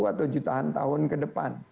atau jutaan tahun ke depan